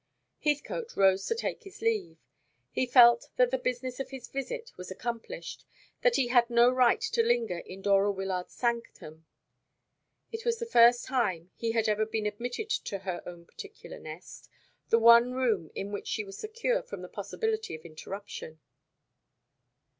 Heathcote rose to take leave. He felt that the business of his visit was accomplished, that he had no right to linger in Dora Wyllard's sanctum. It was the first time he had ever been admitted to her own particular nest, the one room in which she was secure from the possibility of interruption.